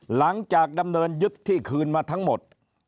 หลังจากดำเนินยุทธิคืนมาทั้งหมด